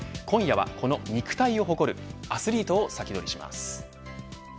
今夜はこの肉体を誇るアスリートをサキドリします。